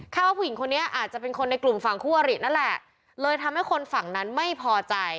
ว่าผู้หญิงคนนี้อาจจะเป็นคนในกลุ่มฝั่งคู่อรินั่นแหละเลยทำให้คนฝั่งนั้นไม่พอใจ